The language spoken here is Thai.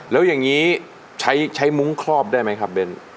แล้วอย่างนี้ใช้มุ้งครอบได้ไหมครับเบ้น